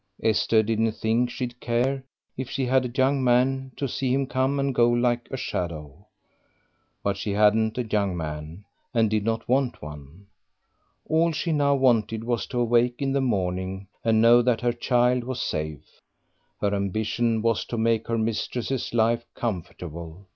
Esther didn't think she'd care, if she had a young man, to see him come and go like a shadow. But she hadn't a young man, and did not want one. All she now wanted was to awake in the morning and know that her child was safe; her ambition was to make her mistress's life comfortable.